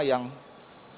yang tanpa henti